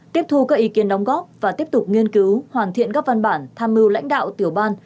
tiếp thu các ý kiến đóng góp và tiếp tục nghiên cứu hoàn thiện các văn bản tham mưu lãnh đạo tiểu ban